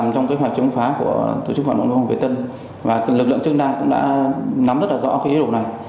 tổ chức việt tân và lực lượng chức năng cũng đã nắm rất là rõ cái ý đồ này